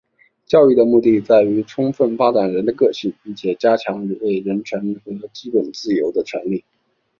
教育的目的在于充分发展人的个性并加强对人权和基本自由的尊重。